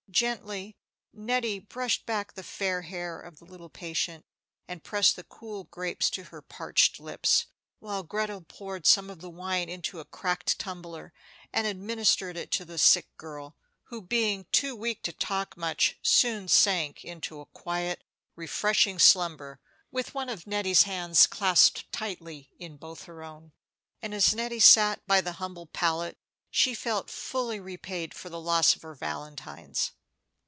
Gently Nettie brushed back the fair hair of the little patient, and pressed the cool grapes to her parched lips, while Gretel poured some of the wine into a cracked tumbler, and administered it to the sick girl, who, being too weak to talk much, soon sank into a quiet, refreshing slumber, with one of Nettie's hands clasped tightly in both her own; and as Nettie sat by the humble pallet she felt fully repaid for the loss of her valentines.